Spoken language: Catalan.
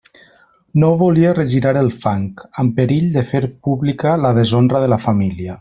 No volia regirar el fang, amb perill de fer pública la deshonra de la família.